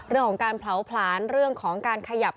เรื่องของการเผาผลาญเรื่องของการขยับ